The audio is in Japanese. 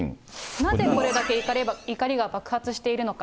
なぜこれだけ怒りが爆発しているのか。